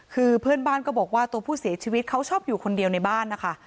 คือเพื่อนบ้านก็บอกว่าตัวผู้เสียชีวิตเขาชอบอยู่คนเดียวในบ้านนะคะ